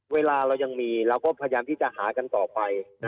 เวลาเรายังมีเราก็พยายามที่จะหากันต่อไป